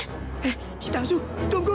eh si tangsu tunggu